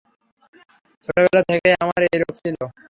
ছোটবেলা থেকেই আমার এই রোগ ছিল।